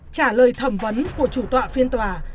trả lời thẩm vấn của chủ tọa phiên tòa